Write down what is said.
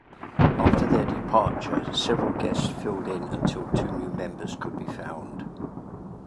After their departure, several guests filled-in until two new members could be found.